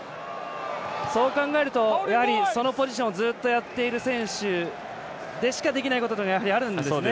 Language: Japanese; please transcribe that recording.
そう考えるとやはり、そのポジションをずっとやっている選手でしかできないことがあるんですね。